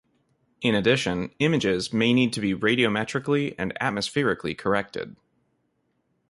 In addition, images may need to be radiometrically and atmospherically corrected.